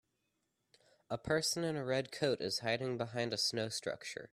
A person in a red coat is hiding behind a snow structure.